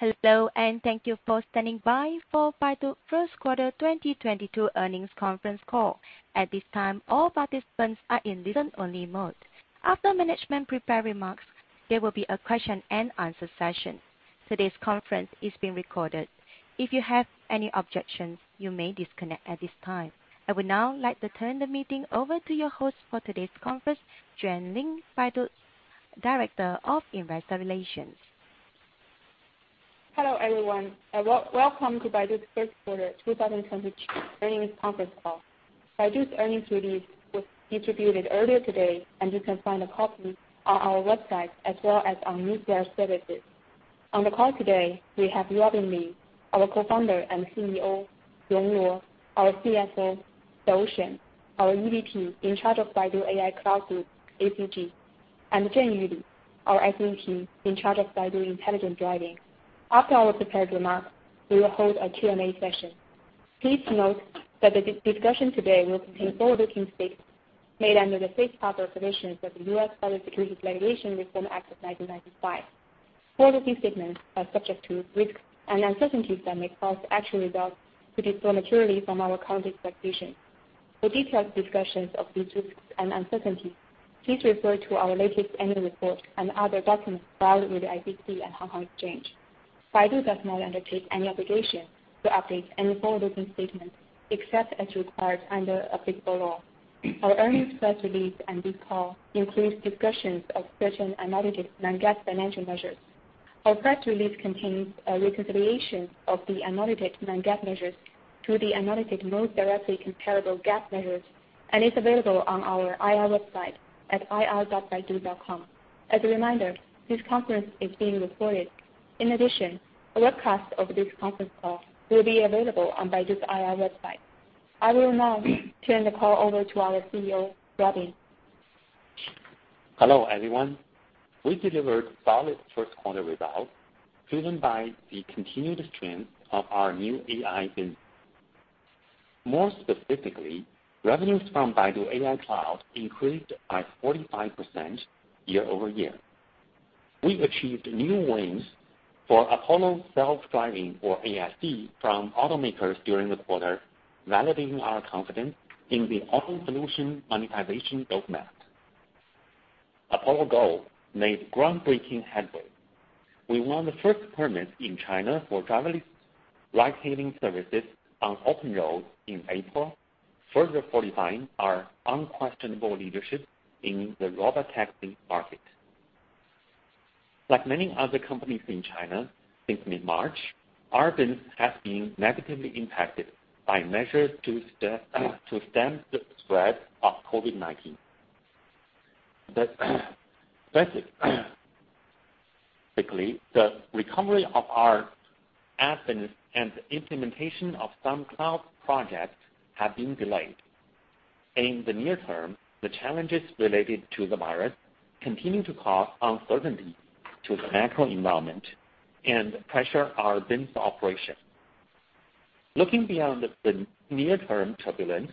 Hello, and thank you for standing by for Baidu's first quarter 2022 earnings conference call. At this time, all participants are in listen-only mode. After management's prepared remarks, there will be a question and answer session. Today's conference is being recorded. If you have any objections, you may disconnect at this time. I would now like to turn the meeting over to your host for today's conference, Juan Lin, Baidu's Director of Investor Relations. Hello, everyone, and welcome to Baidu's Q1 2022 earnings conference call. Baidu's earnings release was distributed earlier today, and you can find a copy on our website as well as our newsletter services. On the call today, we have Robin Li, our Co-Founder and CEO, Rong Luo, our CFO, Dou Shen, our EVP in charge of Baidu AI Cloud Group, ACG, and Zhenyu Li, our SVP in charge of Baidu Intelligent Driving. After our prepared remarks, we will hold a Q&A session. Please note that the discussion today will contain forward-looking statements made under the safe harbor provisions of the US Private Securities Litigation Reform Act of 1995. Forward-looking statements are subject to risks and uncertainties that may cause actual results to differ materially from our current expectations. For detailed discussions of these risks and uncertainties, please refer to our latest annual report and other documents filed with the SEC and Hong Kong Exchanges and Clearing. Baidu does not undertake any obligation to update any forward-looking statements except as required under applicable law. Our earnings press release and this call includes discussions of certain unaudited non-GAAP financial measures. Our press release contains a reconciliation of the unaudited non-GAAP measures to the unaudited most directly comparable GAAP measures and is available on our IR website at ir.baidu.com. As a reminder, this conference is being recorded. In addition, a webcast of this conference call will be available on Baidu's IR website. I will now turn the call over to our CEO, Robin Li. Hello, everyone. We delivered solid first quarter results driven by the continued strength of our new AI business. More specifically, revenues from Baidu AI Cloud increased by 45% year-over-year. We achieved new wins for Apollo Self-Driving or ASD from automakers during the quarter, validating our confidence in the auto solution monetization roadmap. Apollo Go made groundbreaking headway. We won the first permit in China for driverless ride-hailing services on open roads in April, further fortifying our unquestionable leadership in the robot taxi market. Like many other companies in China since mid-March, our business has been negatively impacted by measures to stem the spread of COVID-19. Basically, the recovery of our ad business and the implementation of some cloud projects have been delayed. In the near term, the challenges related to the virus continue to cause uncertainty to the macro environment and pressure our business operation. Looking beyond the near term turbulence,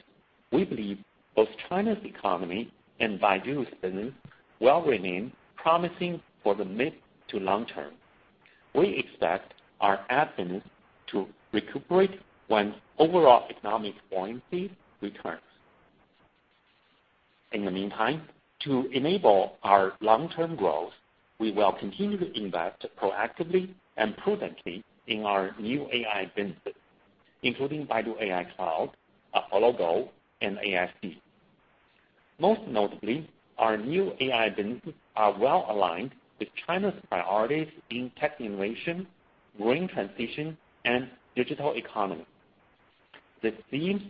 we believe both China's economy and Baidu's business will remain promising for the mid to long term. We expect our ad business to recuperate when overall economic buoyancy returns. In the meantime, to enable our long-term growth, we will continue to invest proactively and prudently in our new AI businesses, including Baidu AI Cloud, Apollo Go, and ASD. Most notably, our new AI businesses are well-aligned with China's priorities in tech innovation, green transition, and digital economy. The themes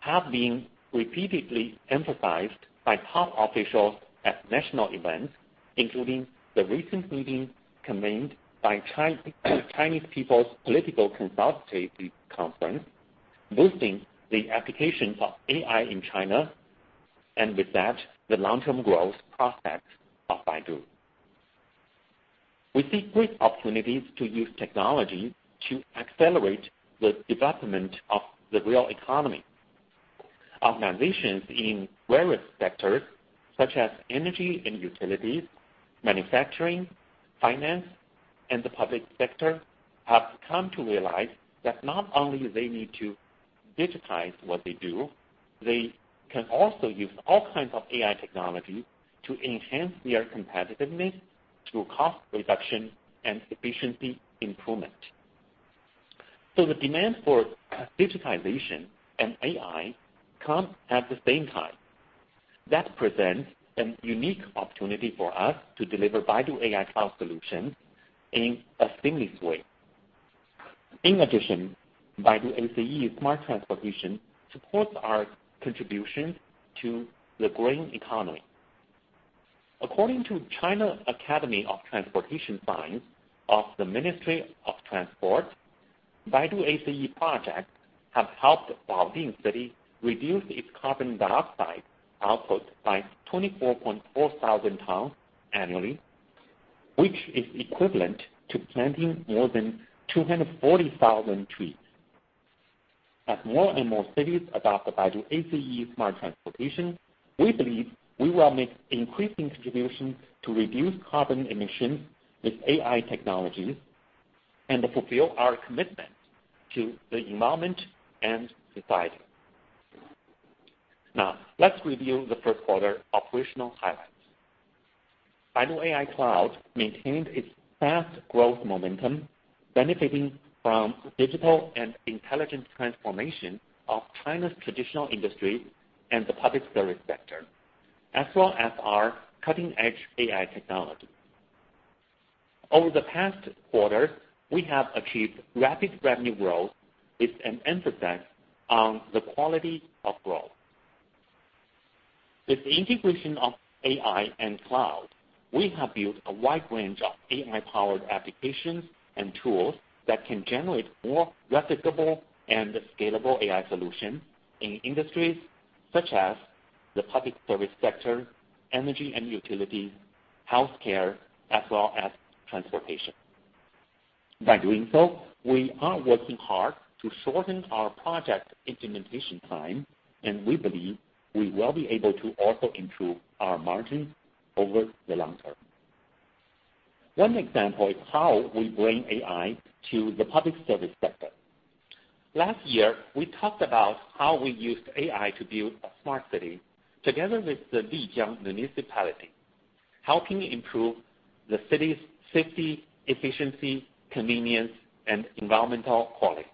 have been repeatedly emphasized by top officials at national events, including the recent meeting convened by Chinese People's Political Consultative Conference, boosting the application of AI in China, and with that, the long-term growth prospects of Baidu. We see great opportunities to use technology to accelerate the development of the real economy. Organizations in various sectors such as energy and utilities, manufacturing, finance, and the public sector, have come to realize that not only they need to digitize what they do, they can also use all kinds of AI technology to enhance their competitiveness through cost reduction and efficiency improvement. The demand for digitization and AI come at the same time. That presents a unique opportunity for us to deliver Baidu AI Cloud solutions in a seamless way. In addition, Baidu ACE Smart Transportation supports our contribution to the growing economy. According to China Academy of Transportation Sciences of the Ministry of Transport, Baidu ACE projects have helped Baoding City reduce its carbon dioxide output by 24,400 tons annually, which is equivalent to planting more than 240,000 trees. As more and more cities adopt the Baidu ACE smart transportation, we believe we will make increasing contributions to reduce carbon emissions with AI technologies, and fulfill our commitment to the environment and society. Now let's review the first quarter operational highlights. Baidu AI Cloud maintained its fast growth momentum, benefiting from digital and intelligent transformation of China's traditional industry and the public service sector, as well as our cutting-edge AI technology. Over the past quarter, we have achieved rapid revenue growth with an emphasis on the quality of growth. With the integration of AI and cloud, we have built a wide range of AI-powered applications and tools that can generate more replicable and scalable AI solutions in industries such as the public service sector, energy and utility, healthcare, as well as transportation. By doing so, we are working hard to shorten our project implementation time, and we believe we will be able to also improve our margin over the long term. One example is how we bring AI to the public service sector. Last year, we talked about how we used AI to build a smart city together with the Lijiang Municipality, helping improve the city's safety, efficiency, convenience, and environmental quality.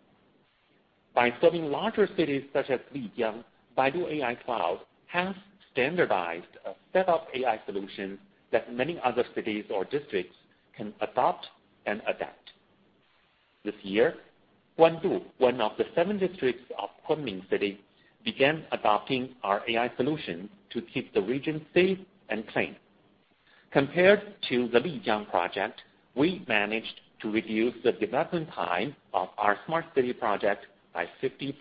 By serving larger cities such as Lijiang, Baidu AI Cloud has standardized a set of AI solutions that many other cities or districts can adopt and adapt. This year, Guandu, one of the seven districts of Kunming City, began adopting our AI solution to keep the region safe and clean. Compared to the Lijiang project, we managed to reduce the development time of our smart city project by 50%.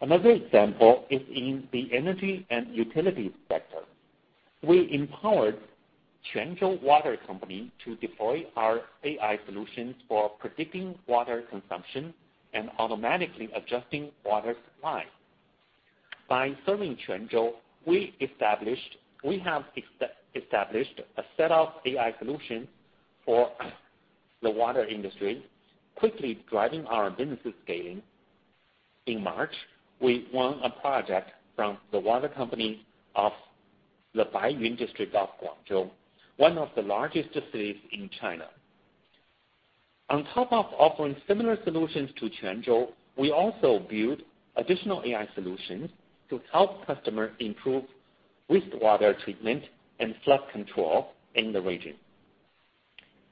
Another example is in the energy and utility sector. We empowered Quanzhou Water Company to deploy our AI solutions for predicting water consumption and automatically adjusting water supply. By serving Quanzhou, we have established a set of AI solutions for the water industry, quickly driving our business scaling. In March, we won a project from the water company of the Baiyun District of Guangzhou, one of the largest cities in China. On top of offering similar solutions to Quanzhou, we also build additional AI solutions to help customers improve wastewater treatment and flood control in the region.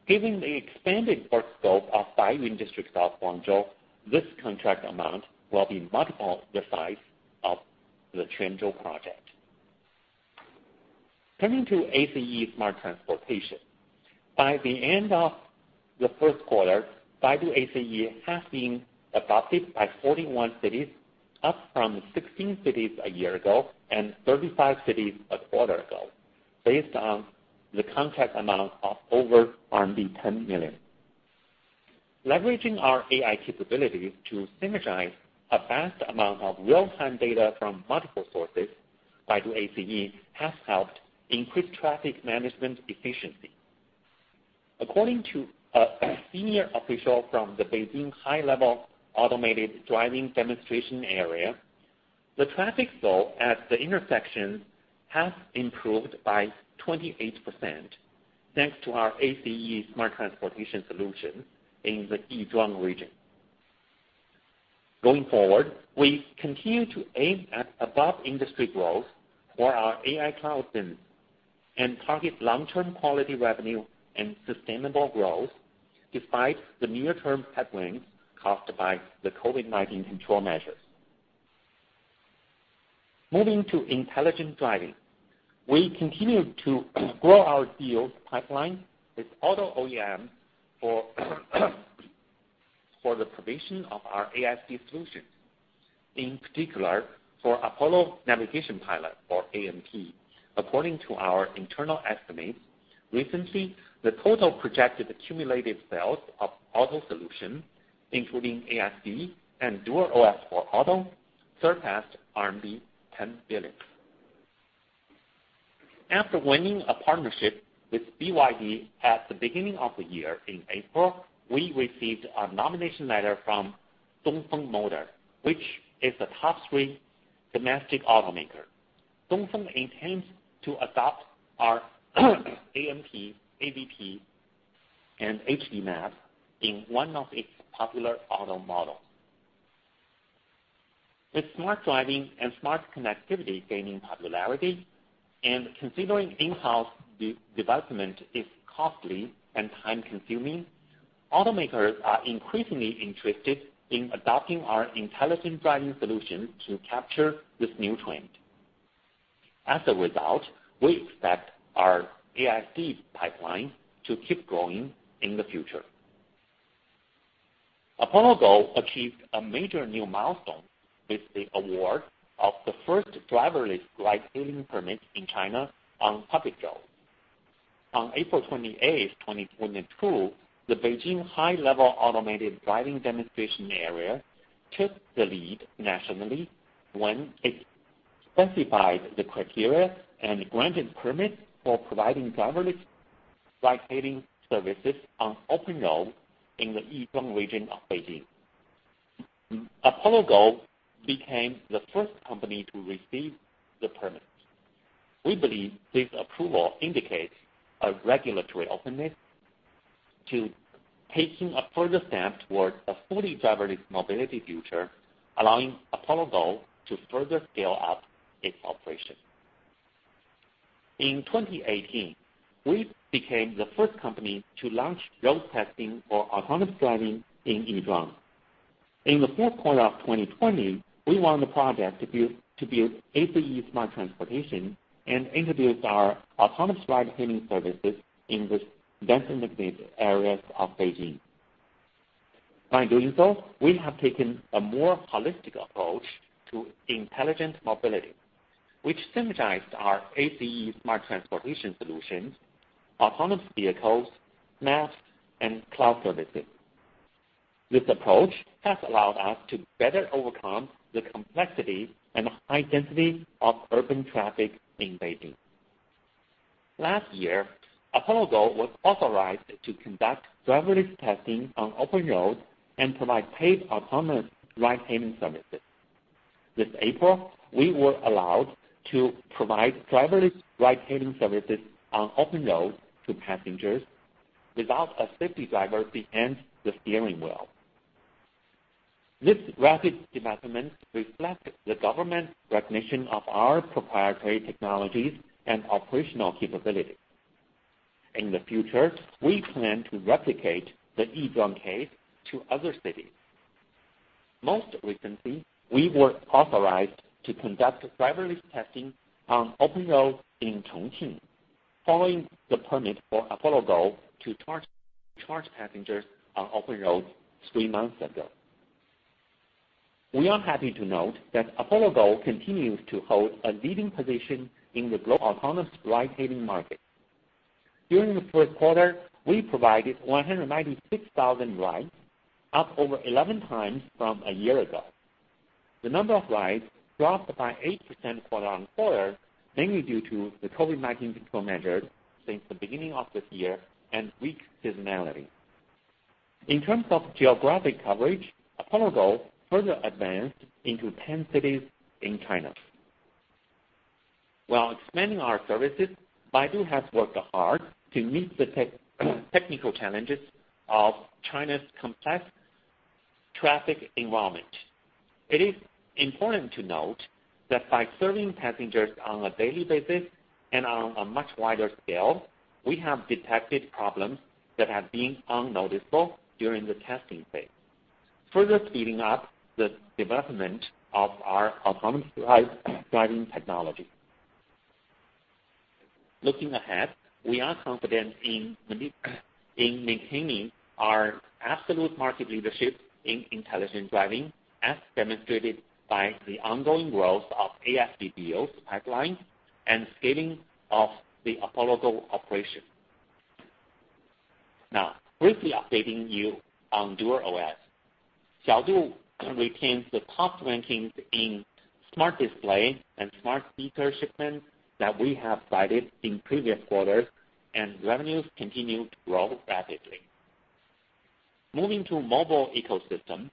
Given the expanded scope of Baiyun District of Guangzhou, this contract amount will be multiple the size of the Quanzhou project. Turning to ACE Smart Transportation. By the end of the first quarter, Baidu ACE has been adopted by 41 cities, up from 16 cities a year ago and 35 cities a quarter ago, based on the contract amount of over RMB 10 million. Leveraging our AI capabilities to synergize a vast amount of real-time data from multiple sources, Baidu ACE has helped increase traffic management efficiency. According to a senior official from the Beijing High-Level Automated Driving Demonstration Area, the traffic flow at the intersection has improved by 28%, thanks to our ACE smart transportation solution in the Yizhuang region. Going forward, we continue to aim at above-industry growth for our AI cloud business and target long-term quality revenue and sustainable growth despite the near-term headwinds caused by the COVID-19 control measures. Moving to intelligent driving. We continue to grow our deals pipeline with auto OEM for the provision of our ASD solutions, in particular for Apollo Navigation Pilot, or ANP. According to our internal estimates, recently the total projected cumulative sales of auto solution, including ASD and DuerOS for Auto, surpassed RMB 10 billion. After winning a partnership with BYD at the beginning of the year, in April, we received a nomination letter from Dongfeng Motor, which is a top three domestic automaker. Dongfeng intends to adopt our ANP, AVP and HD Map in one of its popular auto models. With smart driving and smart connectivity gaining popularity and considering in-house development is costly and time-consuming, automakers are increasingly interested in adopting our intelligent driving solution to capture this new trend. As a result, we expect our ASD pipeline to keep growing in the future. Apollo Go achieved a major new milestone with the award of the first driverless ride-hailing permit in China on public roads. On April 28, 2022, the Beijing High-level Automated Driving Demonstration Area took the lead nationally when it specified the criteria and granted permits for providing driverless ride-hailing services on open roads in the Yizhuang region of Beijing. Apollo Go became the first company to receive the permit. We believe this approval indicates a regulatory openness to taking a further step towards a fully driverless mobility future, allowing Apollo Go to further scale up its operation. In 2018, we became the first company to launch road testing for autonomous driving in Yizhuang. In the fourth quarter of 2020, we won the project to build ACE smart transportation and introduced our autonomous ride-hailing services in the densely populated areas of Beijing. By doing so, we have taken a more holistic approach to intelligent mobility, which synergized our ACE smart transportation solutions, autonomous vehicles, maps, and cloud services. This approach has allowed us to better overcome the complexity and high density of urban traffic in Beijing. Last year, Apollo Go was authorized to conduct driverless testing on open roads and provide paid autonomous ride-hailing services. This April, we were allowed to provide driverless ride-hailing services on open roads to passengers without a safety driver behind the steering wheel. This rapid development reflects the government's recognition of our proprietary technologies and operational capabilities. In the future, we plan to replicate the Yizhuang case to other cities. Most recently, we were authorized to conduct driverless testing on open roads in Chongqing, following the permit for Apollo Go to charge passengers on open roads three months ago. We are happy to note that Apollo Go continues to hold a leading position in the global autonomous ride-hailing market. During the first quarter, we provided 196,000 rides, up over 11x from a year ago. The number of rides dropped by 8% quarter-on-quarter, mainly due to the COVID-19 control measures since the beginning of this year and weak seasonality. In terms of geographic coverage, Apollo Go further advanced into 10 cities in China. While expanding our services, Baidu has worked hard to meet the technical challenges of China's complex traffic environment. It is important to note that by serving passengers on a daily basis and on a much wider scale, we have detected problems that have been unnoticeable during the testing phase, further speeding up the development of our autonomous driving technology. Looking ahead, we are confident in maintaining our absolute market leadership in intelligent driving, as demonstrated by the ongoing growth of Apollo's pipeline and scaling of the Apollo Go operation. Now, briefly updating you on DuerOS. Xiaodu retains the top rankings in smart display and smart speaker shipments that we have provided in previous quarters, and revenues continue to grow rapidly. Moving to mobile ecosystem,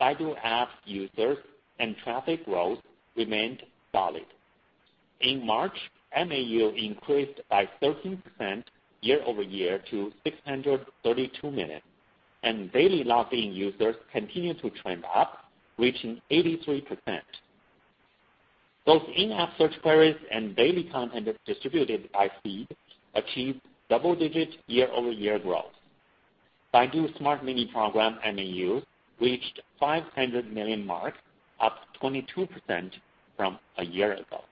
Baidu App users and traffic growth remained solid. In March, MAU increased by 13% year-over-year to 632 million, and daily logged-in users continued to trend up, reaching 83%. Both in-app search queries and daily content distributed by feed achieved double-digit year-over-year growth. Baidu Smart Mini Program MAU reached 500 million mark, up 22% from a year ago.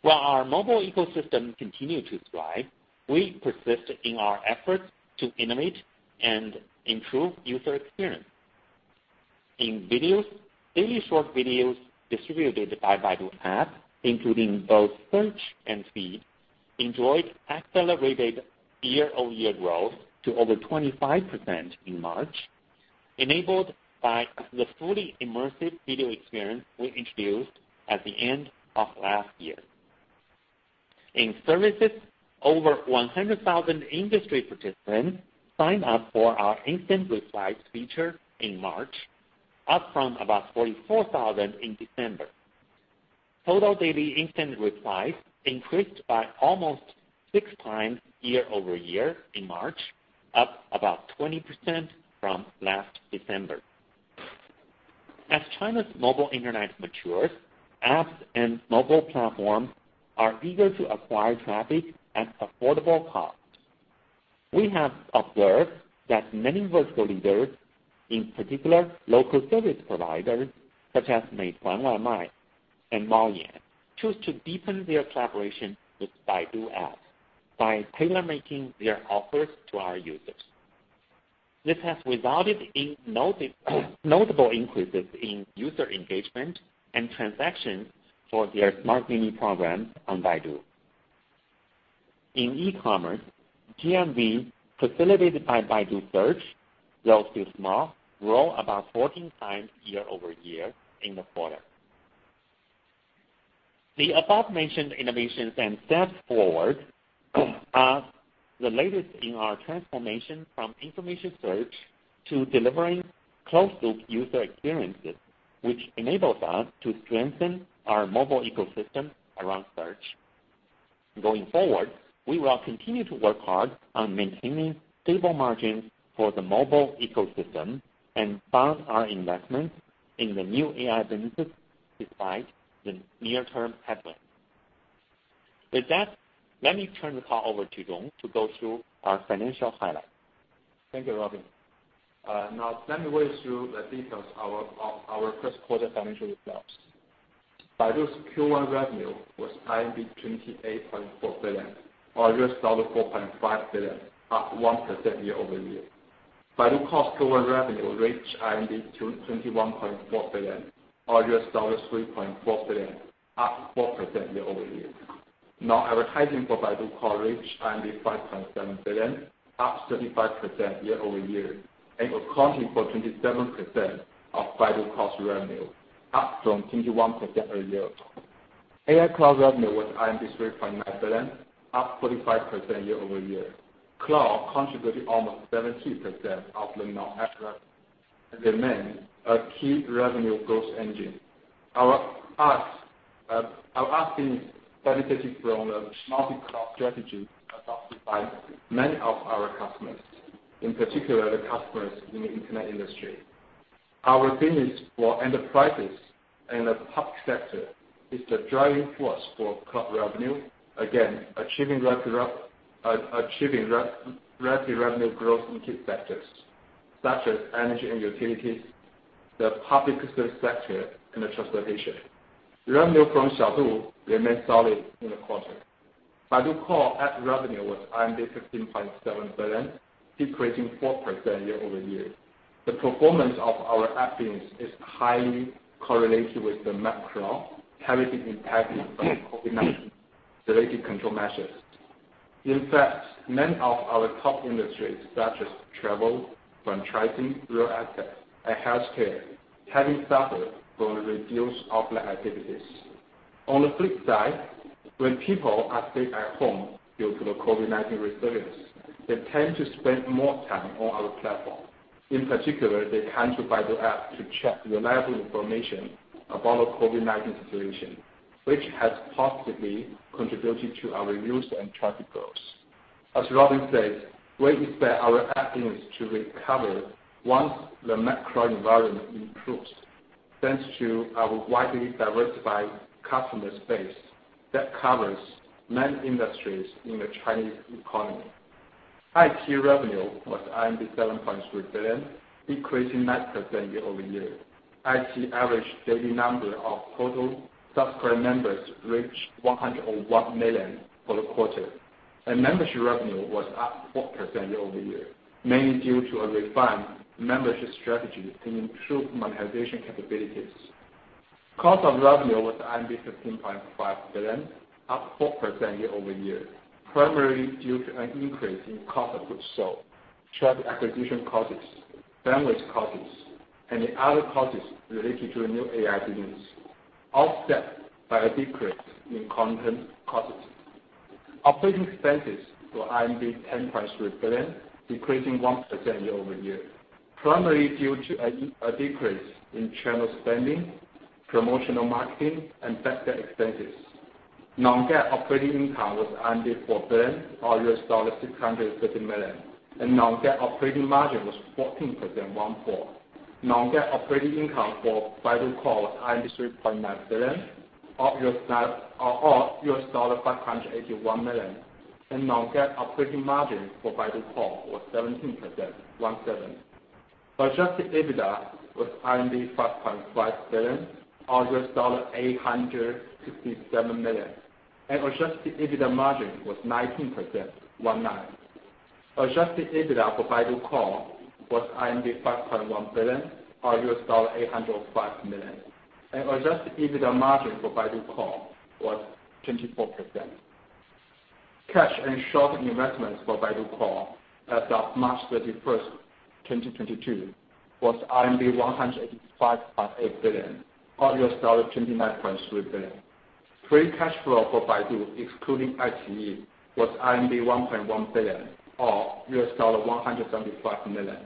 While our mobile ecosystem continued to thrive, we persist in our efforts to innovate and improve user experience. In videos, daily short videos distributed by Baidu App, including both search and feed, enjoyed accelerated year-over-year growth to over 25% in March, enabled by the fully immersive video experience we introduced at the end of last year. In services, over 100,000 industry participants signed up for our instant replies feature in March, up from about 44,000 in December. Total daily instant replies increased by almost 6x year-over-year in March, up about 20% from last December. As China's mobile internet matures, apps and mobile platforms are eager to acquire traffic at affordable costs. We have observed that many vertical leaders, in particular local service providers such as Meituan Waimai and Maoyan, choose to deepen their collaboration with Baidu App by tailor-making their offers to our users. This has resulted in notable increases in user engagement and transactions for their Smart Mini Programs on Baidu. In e-commerce, GMV facilitated by Baidu Search, though still small, grew about 14x year-over-year in the quarter. The above-mentioned innovations and steps forward are the latest in our transformation from information search to delivering closed loop user experiences, which enables us to strengthen our mobile ecosystem around search. Going forward, we will continue to work hard on maintaining stable margins for the mobile ecosystem and fund our investments in the new AI businesses despite the near-term headwinds. With that, let me turn the call over to Rong to go through our financial highlights. Thank you, Robin. Now let me walk you through the details of our first quarter financial results. Baidu's Q1 revenue was 28.4 billion, or $4.5 billion, up 1% year-over-year. Baidu Core Q1 revenue reached 21.4 billion, or $3.4 billion, up 4% year-over-year. Advertising for Baidu Core reached 5.7 billion, up 35% year-over-year, and accounting for 27% of Baidu Core's revenue, up from 21% a year ago. AI cloud revenue was 3.9 billion, up 45% year-over-year. Cloud contributed almost 70% of the non-GAAP revenue, and remained a key revenue growth engine. Our apps benefited from the multi-cloud strategy adopted by many of our customers, in particular the customers in the internet industry. Our business for enterprises and the public sector is the driving force for cloud revenue, again achieving rapid revenue growth in key sectors such as energy and utilities, the public service sector and the transportation. Revenue from Xiaodu remained solid in the quarter. Baidu Core app revenue was 15.7 billion, decreasing 4% year-over-year. The performance of our app business is highly correlated with the macro, having been impacted by the COVID-19 related control measures. In fact, many of our top industries, such as travel, franchising, real estate and healthcare, having suffered from the reduced offline activities. On the flip side, when people are staying at home due to the COVID-19 restrictions, they tend to spend more time on our platform. In particular, they come to Baidu App to check reliable information about the COVID-19 situation, which has positively contributed to our user and traffic growth. As Robin said, we expect our app business to recover once the macro environment improves, thanks to our widely diversified customer space that covers many industries in the Chinese economy. iQIYI revenue was 7.3 billion, decreasing 9% year-over-year. iQIYI average daily number of total subscriber members reached 101 million for the quarter, and membership revenue was up 4% year-over-year, mainly due to a refined membership strategy to improve monetization capabilities. Cost of revenue was 15.5 billion, up 4% year-over-year, primarily due to an increase in cost of goods sold, traffic acquisition costs, bandwidth costs, and the other costs related to the new AI business, offset by a decrease in content costs. Operating expenses were RMB 10.3 billion, decreasing 1% year-over-year, primarily due to a decrease in channel spending, promotional marketing, and tax expenses. Non-GAAP operating income was 4 billion, or $650 million, and non-GAAP operating margin was 14%. Non-GAAP operating income for Baidu Core was RMB 3.9 billion, or $581 million. Non-GAAP operating margin for Baidu Core was 17%. Adjusted EBITDA was RMB 5.5 billion, or $867 million. Adjusted EBITDA margin was 19%. Adjusted EBITDA for Baidu Core was 5.1 billion or $805 million. Adjusted EBITDA margin for Baidu Core was 24%. Cash and short-term investments for Baidu Core as of March 31, 2022 was RMB 185.8 billion or $29.3 billion. Free cash flow for Baidu excluding iQIYI was 1.1 billion or $175 million.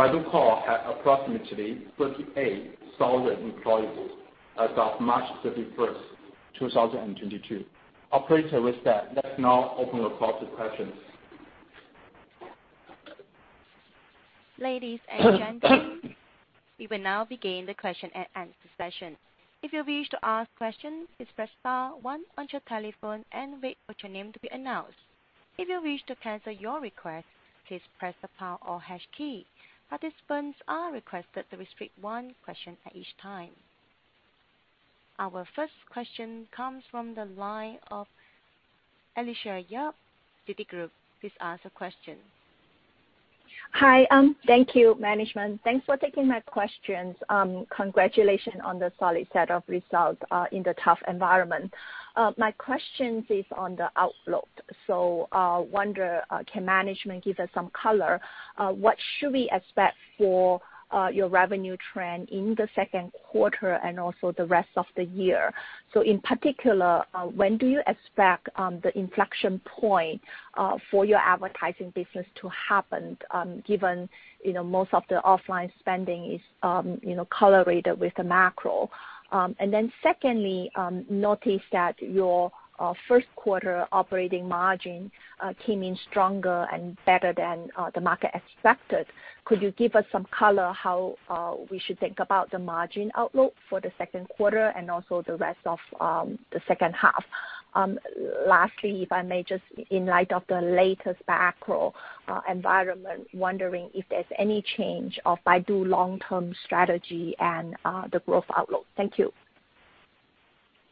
Baidu Core had approximately 38,000 employees as of March 31, 2022. Operator, with that, let's now open the floor to questions. Ladies and gentlemen, we will now begin the question and answer session. If you wish to ask questions, please press star one on your telephone and wait for your name to be announced. If you wish to cancel your request, please press the pound or hash key. Participants are requested to restrict one question at each time. Our first question comes from the line of Alicia Yap, Citigroup. Please ask the question. Hi. Thank you management. Thanks for taking my questions. Congratulations on the solid set of results in the tough environment. My questions is on the outlook. Wonder, can management give us some color what should we expect for your revenue trend in the second quarter and also the rest of the year? In particular, when do you expect the inflection point for your advertising business to happen, given, you know, most of the offline spending is, you know, correlated with the macro. Secondly, noticed that your first quarter operating margin came in stronger and better than the market expected. Could you give us some color how we should think about the margin outlook for the second quarter and also the rest of the second half? Lastly, if I may just in light of the latest macro environment, wondering if there's any change in Baidu's long-term strategy and the growth outlook? Thank you.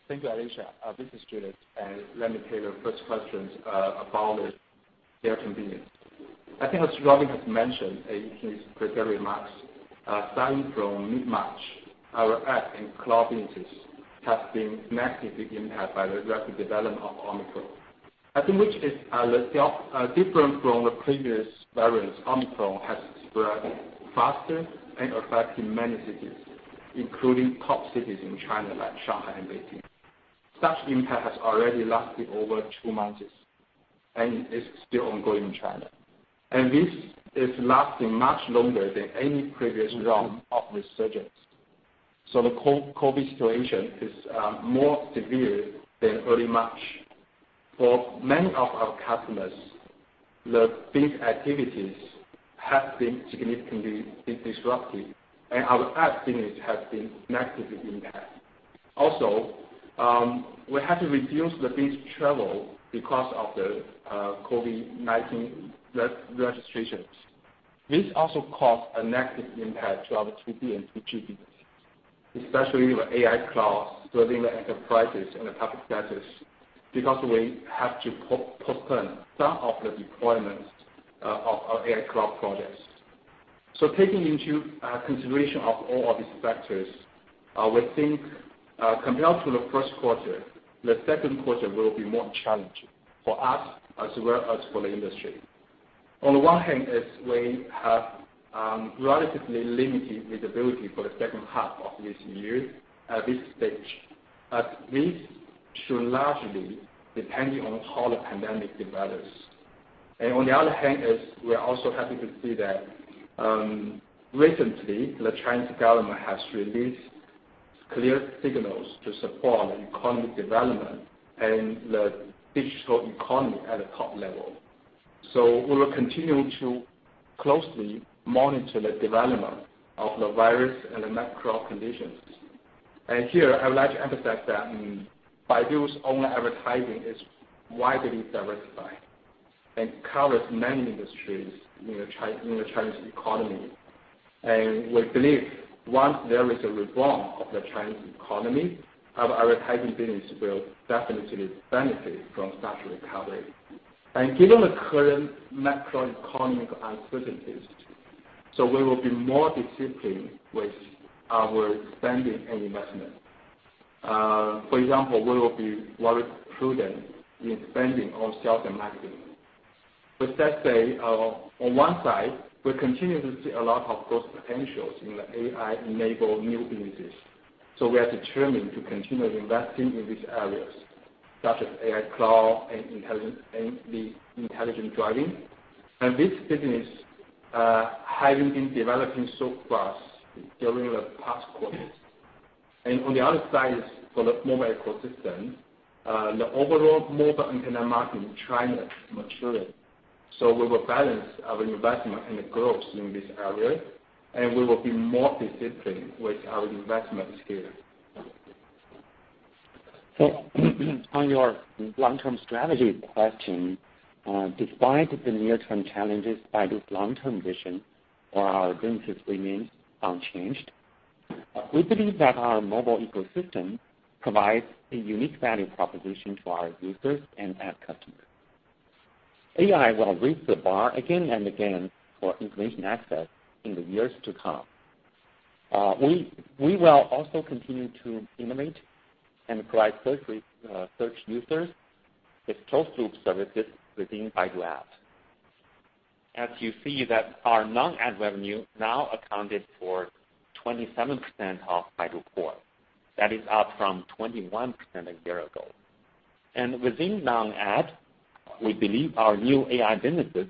Thank you, Alicia. This is Rong Luo, and let me take your first questions about the convenience. I think as Robin Li has mentioned in his prepared remarks, starting from mid-March, our app and cloud business has been negatively impacted by the rapid development of Omicron. I think which is, let's say, different from the previous variants, Omicron has spread faster and affected many cities, including top cities in China, like Shanghai and Beijing. Such impact has already lasted over two months and is still ongoing in China. This is lasting much longer than any previous round of resurgences. The COVID situation is more severe than early March. For many of our customers, the business activities have been significantly disrupted, and our ad business has been negatively impacted. Also, we had to reduce the business travel because of the COVID-19 restrictions. This also caused a negative impact to our B2B and 2G business, especially the AI cloud serving the enterprises and the public sectors, because we have to postpone some of the deployments of our AI cloud projects. Taking into consideration of all of these factors, we think compared to the first quarter, the second quarter will be more challenging for us as well as for the industry. On the one hand is we have relatively limited visibility for the second half of this year at this stage, but this should largely depending on how the pandemic develops. On the other hand is we're also happy to see that recently the Chinese government has released clear signals to support economic development and the digital economy at the top level. We will continue to closely monitor the development of the virus and the macro conditions. Here I would like to emphasize that Baidu's own advertising is widely diversified and covers many industries in the Chinese economy. We believe once there is a rebound of the Chinese economy, our advertising business will definitely benefit from such recovery. Given the current macroeconomic uncertainties, we will be more disciplined with our spending and investment. For example, we will be very prudent in spending on sales and marketing. With that said, on one side, we continue to see a lot of growth potentials in the AI-enabled new businesses, so we are determined to continue investing in these areas such as AI cloud and the intelligent driving. This business, having been developing so fast during the past quarters. On the other side is for the mobile ecosystem, the overall mobile internet market in China maturing. We will balance our investment and the growth in this area, and we will be more disciplined with our investments here. On your long-term strategy question, despite the near-term challenges, Baidu's long-term vision for our business remains unchanged. We believe that our mobile ecosystem provides a unique value proposition to our users and ad customers. AI will raise the bar again and again for information access in the years to come. We will also continue to innovate and provide search users with closed-loop services within Baidu apps. As you see that our non-ad revenue now accounted for 27% of Baidu Core. That is up from 21% a year ago. Within non-ad, we believe our new AI businesses,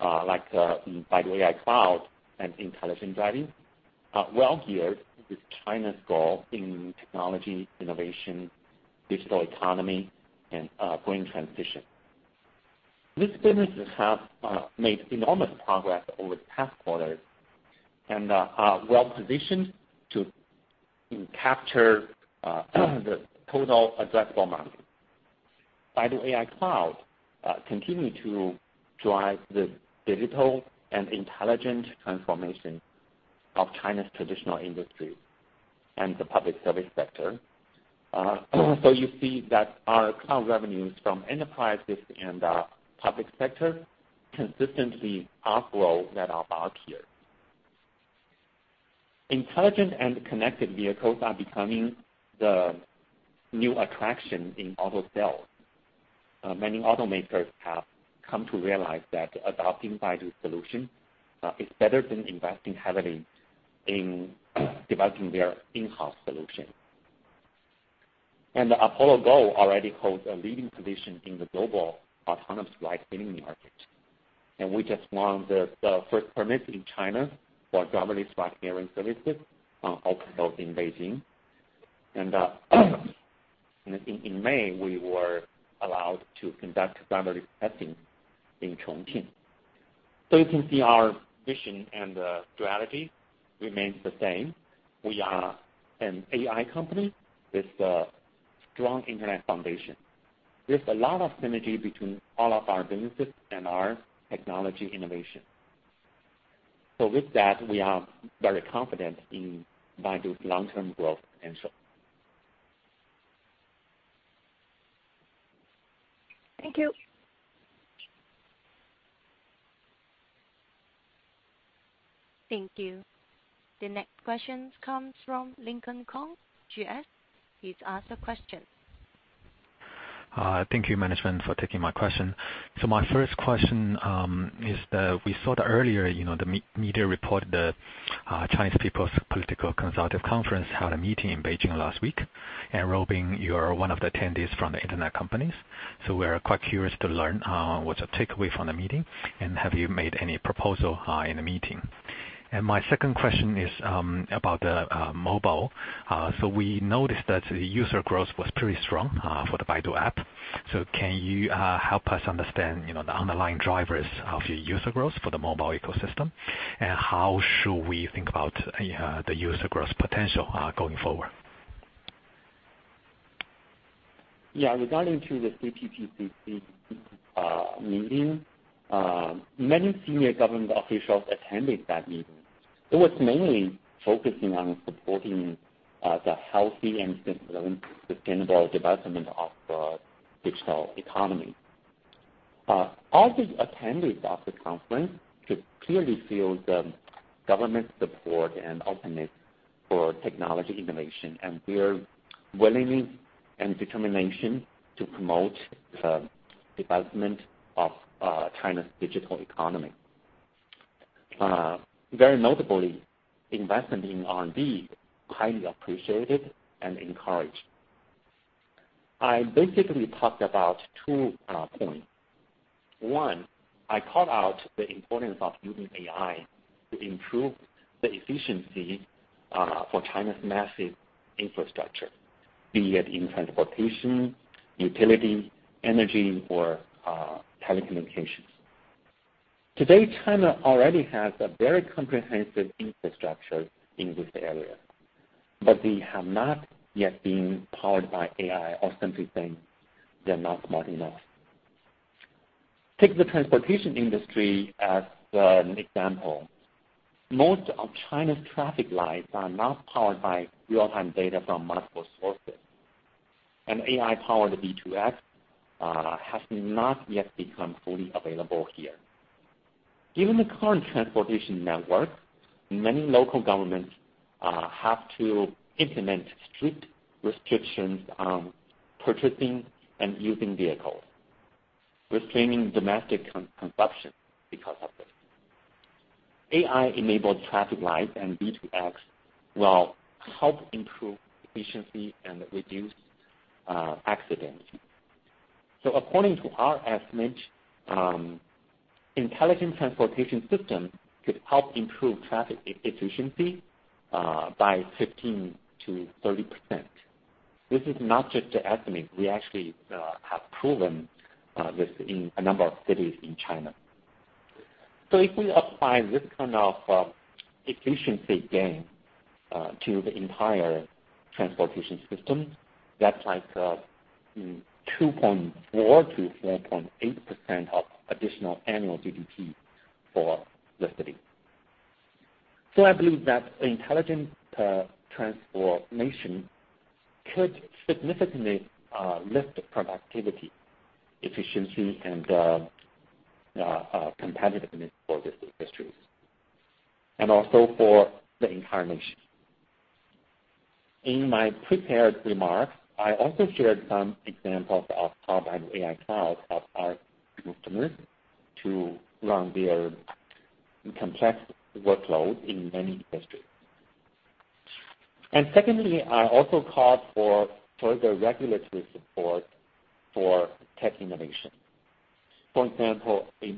like, Baidu AI Cloud and intelligent driving are well geared with China's goal in technology, innovation, digital economy and green transition. These businesses have made enormous progress over the past quarters and are well positioned to capture the total addressable market. Baidu AI Cloud continue to drive the digital and intelligent transformation of China's traditional industry and the public service sector. So you see that our cloud revenues from enterprises and public sector consistently outgrow that are up here. Intelligent and connected vehicles are becoming the new attraction in auto sales. Many automakers have come to realize that adopting Baidu solution is better than investing heavily in developing their in-house solution. The Apollo Go already holds a leading position in the global autonomous ride-hailing market. We just won the first permit in China for driverless ride-hailing services, also held in Beijing. In May, we were allowed to conduct driverless testing in Chongqing. You can see our vision and the duality remains the same. We are an AI company with a strong internet foundation. There's a lot of synergy between all of our businesses and our technology innovation. With that, we are very confident in Baidu's long-term growth potential. Thank you. Thank you. The next question comes from Lincoln Kong, GS. Please ask the question. Thank you, management, for taking my question. My first question is that we saw earlier, you know, the media report the Chinese People's Political Consultative Conference had a meeting in Beijing last week. Robin Li, you're one of the attendees from the internet companies. We're quite curious to learn what's your takeaway from the meeting, and have you made any proposal in the meeting? My second question is about the mobile. We noticed that the user growth was pretty strong for the Baidu App. Can you help us understand, you know, the underlying drivers of your user growth for the mobile ecosystem? How should we think about the user growth potential going forward? Yeah. Regarding to the CPPCC meeting, many senior government officials attended that meeting. It was mainly focusing on supporting the healthy and sustainable development of the digital economy. All these attendees of the conference could clearly feel the government support and openness for technology innovation and their willingness and determination to promote the development of China's digital economy. Very notably, investment in R&D highly appreciated and encouraged. I basically talked about two points. One, I called out the importance of using AI to improve the efficiency for China's massive infrastructure, be it in transportation, utility, energy, or telecommunications. Today, China already has a very comprehensive infrastructure in this area, but they have not yet been powered by AI or simply saying they're not smart enough. Take the transportation industry as an example. Most of China's traffic lights are not powered by real-time data from multiple sources. An AI-powered V2X has not yet become fully available here. Given the current transportation network, many local governments have to implement strict restrictions on purchasing and using vehicles, restraining domestic consumption because of this. AI-enabled traffic lights and V2X will help improve efficiency and reduce accidents. According to our estimate, intelligent transportation system could help improve traffic efficiency by 15%-30%. This is not just an estimate. We actually have proven this in a number of cities in China. If we apply this kind of efficiency gain to the entire transportation system, that's like two point four to four point eight percent of additional annual GDP for the city. I believe that intelligent transformation could significantly lift productivity, efficiency and competitiveness for this industry and also for the entire nation. In my prepared remarks, I also shared some examples of how Baidu AI Cloud helps our customers to run their complex workload in many industries. Secondly, I also called for further regulatory support for tech innovation. For example, a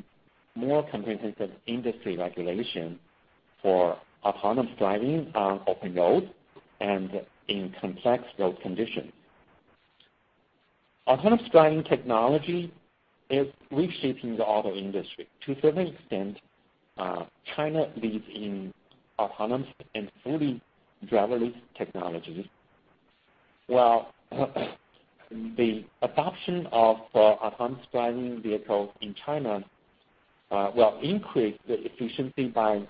more comprehensive industry regulation for autonomous driving on open roads and in complex road conditions. Autonomous driving technology is reshaping the auto industry. To a certain extent, China leads in autonomous and fully driverless technologies, while the adoption of autonomous driving vehicles in China will increase the efficiency by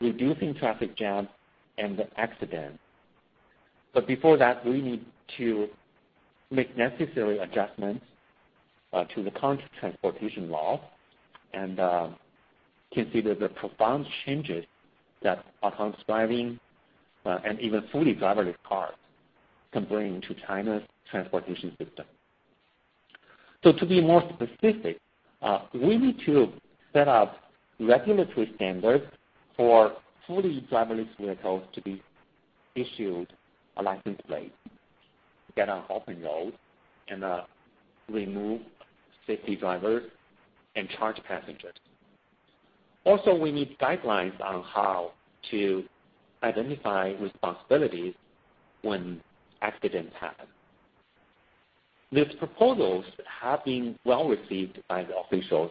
reducing traffic jams and accidents. Before that, we need to make necessary adjustments to the current transportation law and consider the profound changes that autonomous driving and even fully driverless cars can bring to China's transportation system. To be more specific, we need to set up regulatory standards for fully driverless vehicles to be issued a license plate to get on open road and remove safety driver and charge passengers. Also, we need guidelines on how to identify responsibilities when accidents happen. These proposals have been well received by the officials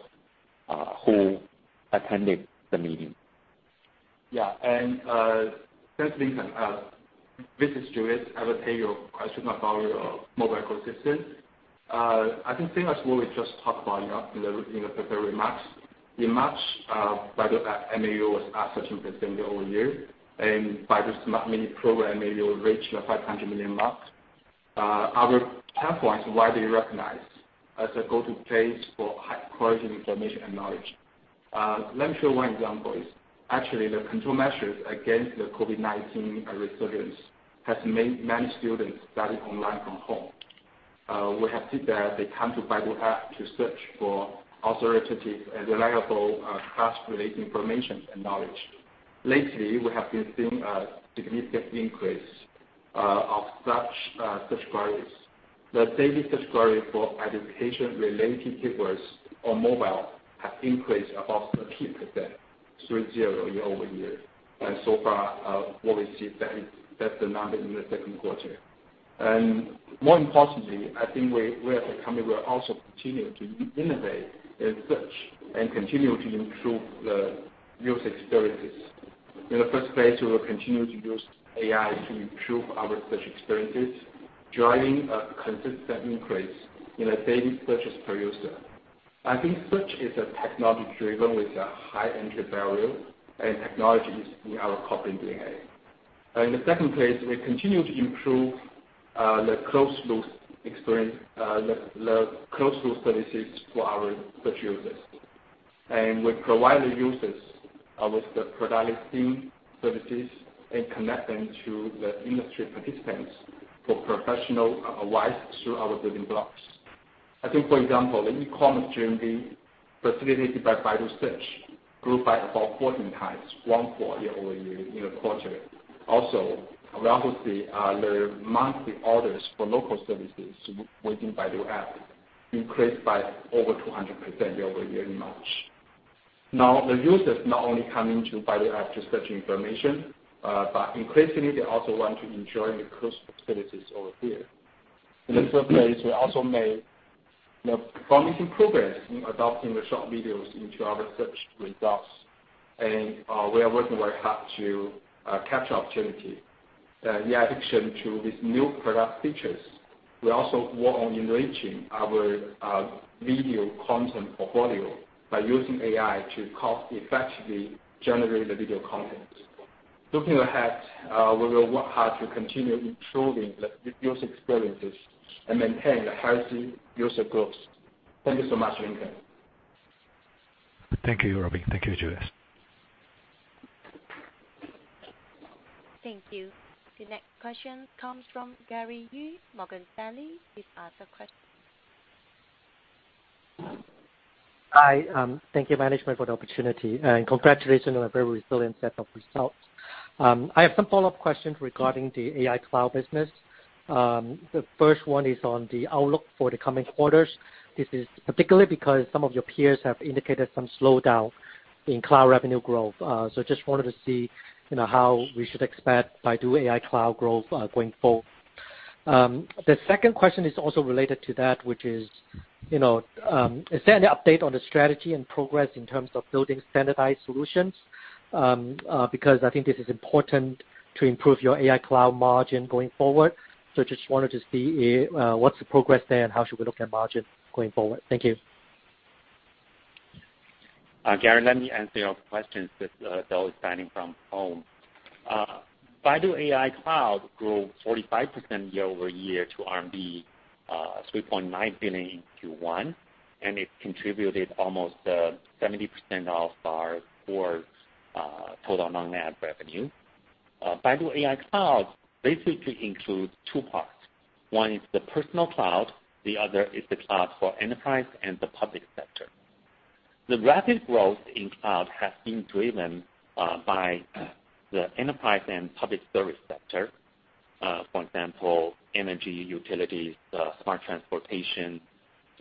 who attended the meeting. Yeah. Thanks, Lincoln. This is Rong Luo. I will take your question about our mobile ecosystem. I think thing as well we just talked about, you know, in February-March. In March, Baidu App MAU was at 58% year-over-year. Baidu Smart Mini Program MAU reached 500 million marks. Our platform is widely recognized as a go-to place for high-quality information and knowledge. Let me show you one example. Actually, the control measures against the COVID-19 resurgence has made many students study online from home. We have seen that they come to Baidu App to search for authoritative and reliable class-related information and knowledge. Lately, we have been seeing a significant increase of such search queries. The daily search query for education-related keywords on mobile have increased above 15%, 30% year-over-year. So far, what we see, that is. That's the number in the second quarter. More importantly, I think we as a company will also continue to innovate in search and continue to improve the user experiences. In the first place, we will continue to use AI to improve our search experiences, driving a consistent increase in our daily searches per user. I think search is a technology driven with a high entry barrier, and technology is in our core and DNA. In the second place, we continue to improve the closed-loop experience, the closed-loop services to our search users. We provide the users with the product team services and connect them to the industry participants for professional advice through our building blocks. I think, for example, the e-commerce GMV facilitated by Baidu Search grew by about 14x year-over-year in the quarter. Also, we also see the monthly orders for local services within Baidu App increased by over 200% year-over-year in March. Now, the users not only coming to Baidu App to search information, but increasingly they also want to enjoy the closed-loop facilities over here. In the third place, we also made, you know, promising progress in adopting the short videos into our search results, and we are working very hard to capture opportunity. In addition to these new product features, we also work on enriching our video content portfolio by using AI to cost effectively generate the video content. Looking ahead, we will work hard to continue improving the user experiences and maintain the healthy user growth. Thank you so much, Lincoln. Thank you, Robin. Thank you, Rong. Thank you. The next question comes from Gary Yu, Morgan Stanley. Please ask your question. Hi. Thank you, management, for the opportunity, and congratulations on a very resilient set of results. I have some follow-up questions regarding the Baidu AI Cloud business. The first one is on the outlook for the coming quarters. This is particularly because some of your peers have indicated some slowdown in cloud revenue growth. Just wanted to see, you know, how we should expect Baidu AI Cloud growth going forward. The second question is also related to that, which is, you know, is there any update on the strategy and progress in terms of building standardized solutions? Because I think this is important to improve your Baidu AI Cloud margin going forward. Just wanted to see, what's the progress there and how should we look at margin going forward. Thank you. Gary, let me answer your questions since Leo is dialing from home. Baidu AI Cloud grew 45% year-over-year to RMB 3.9 billion in Q1, and it contributed almost 70% of our core total non-GAAP revenue. Baidu AI Cloud basically includes two parts. One is the personal cloud, the other is the cloud for enterprise and the public sector. The rapid growth in cloud has been driven by the enterprise and public service sector. For example, energy, utilities, smart transportation,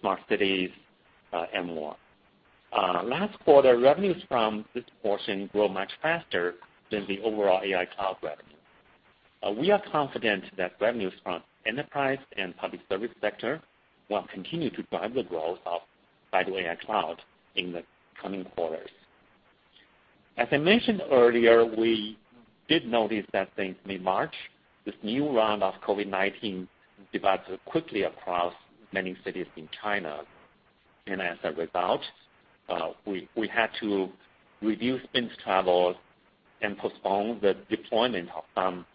smart cities, and more. Last quarter, revenues from this portion grew much faster than the overall AI cloud revenue. We are confident that revenues from enterprise and public service sector will continue to drive the growth of Baidu AI Cloud in the coming quarters. As I mentioned earlier, we did notice that since mid-March, this new round of COVID-19 develops quickly across many cities in China. As a result, we had to reduce business travels and postpone the deployment of some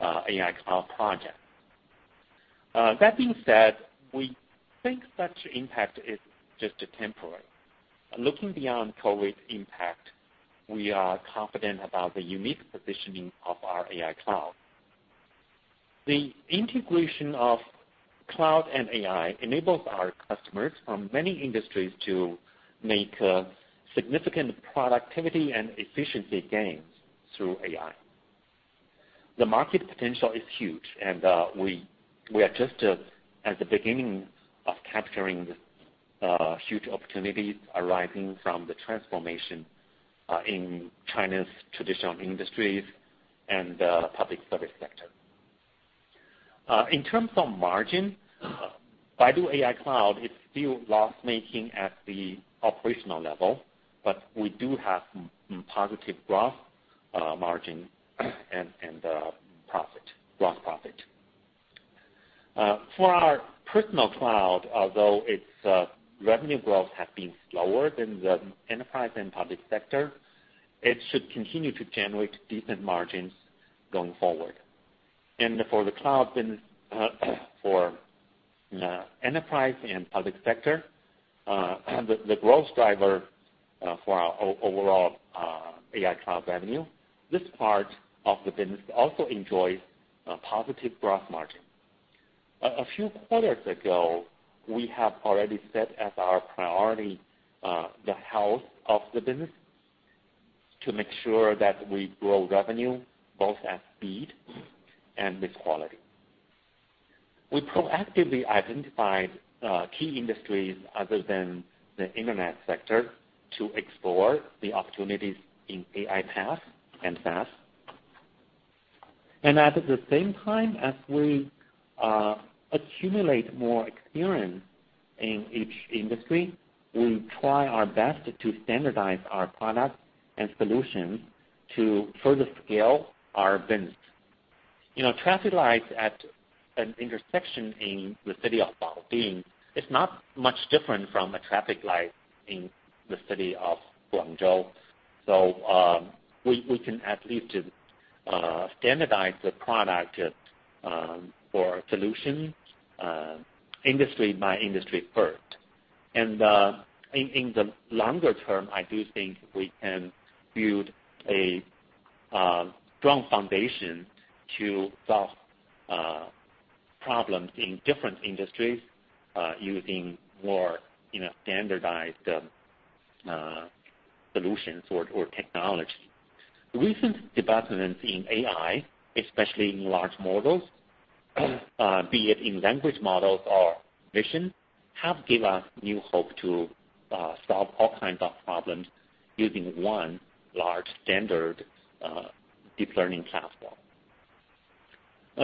AI cloud projects. That being said, we think such impact is just temporary. Looking beyond COVID impact, we are confident about the unique positioning of our AI cloud. The integration of cloud and AI enables our customers from many industries to make significant productivity and efficiency gains through AI. The market potential is huge, and we are just at the beginning of capturing this huge opportunity arising from the transformation in China's traditional industries and public service sector. In terms of margin, Baidu AI Cloud is still loss-making at the operational level, but we do have some positive growth margin and gross profit. For our personal cloud, although its revenue growth has been slower than the enterprise and public sector, it should continue to generate decent margins going forward. For the cloud business, for enterprise and public sector, the growth driver for our overall AI Cloud revenue, this part of the business also enjoys a positive growth margin. A few quarters ago, we have already set as our priority the health of the business to make sure that we grow revenue both at speed and with quality. We proactively identified key industries other than the Internet sector to explore the opportunities in AI path and fast. At the same time, as we accumulate more experience in each industry, we try our best to standardize our products and solutions to further scale our business. You know, traffic lights at an intersection in the city of Baoding is not much different from a traffic light in the city of Guangzhou. We can at least standardize the product or solution industry by industry first. In the longer term, I do think we can build a strong foundation to solve problems in different industries using more, you know, standardized solutions or technology. Recent developments in AI, especially in large models, be it in language models or vision, have give us new hope to solve all kinds of problems using one large standard deep learning platform.